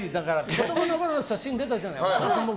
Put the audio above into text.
子供のころの写真出たじゃない。